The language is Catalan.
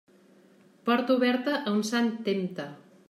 Porta oberta a un sant tempta.